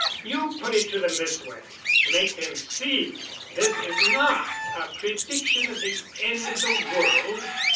"You put it to them this way. Make them see this is not a prediction of the end of the world.